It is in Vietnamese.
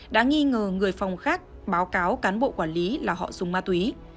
đã nghi ngờ người phòng khác báo cáo cán bộ quản lý là họ dùng ma túy